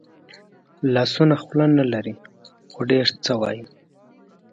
لاسونه خوله نه لري خو ډېر څه وايي